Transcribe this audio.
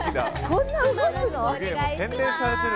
こんな動くの！？